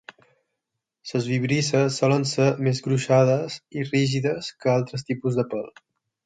Les vibrisses solen ser més gruixudes i rígides que altres tipus de pèl.